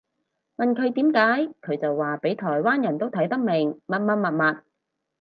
問佢點解佢就話畀台灣人都睇得明乜乜物物